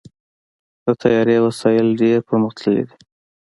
د طیارې وسایل ډېر پرمختللي دي.